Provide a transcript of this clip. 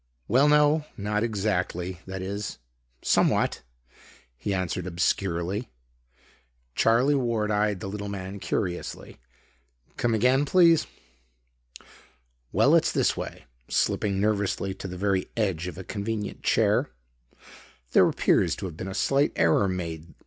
"Well, no, not exactly; that is, somewhat," he answered obscurely. Charlie Ward eyed the little man curiously. "Come again, please?" "Well, it's this way," slipping nervously to the very edge of a convenient chair. "There appears to have been a slight error made.